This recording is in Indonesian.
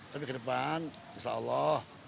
tapi ke depan insya allah